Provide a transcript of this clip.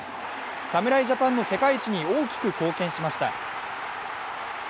侍ジャパンの世界一に大きく貢献しました。